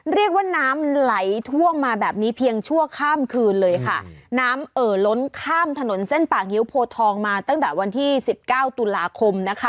เรียกว่าน้ำไหลท่วมมาแบบนี้เพียงชั่วข้ามคืนเลยค่ะน้ำเอ่อล้นข้ามถนนเส้นป่างิ้วโพทองมาตั้งแต่วันที่สิบเก้าตุลาคมนะคะ